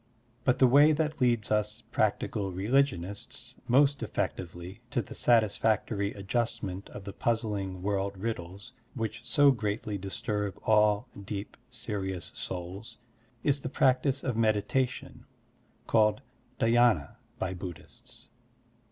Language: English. But the way that leads us practical religionists most effectively to the satisfactory adjustment of the puzzling world riddles which so greatly disturb all deep, serious souls is the practice of medita tion, called Dhy^na* by Buddhists.